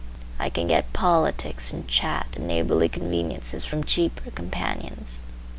I can get politics and chat and neighborly conveniences from cheaper companions.